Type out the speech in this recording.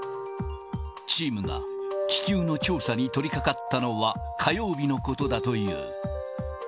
チームが気球の調査に取りかかったのは火曜日のことだという。